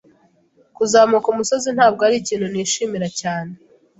Kuzamuka umusozi ntabwo arikintu nishimira cyane.